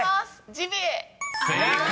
「ジビエ」［正解。